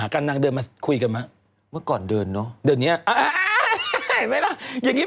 เขามายังงี้